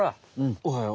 おおはよう。